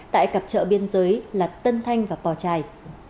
tại cặp chợ biên giới là tân thanh và pò trài